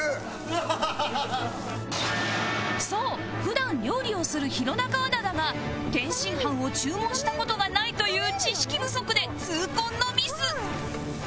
そう普段料理をする弘中アナだが天津飯を注文した事がないという知識不足で痛恨のミス！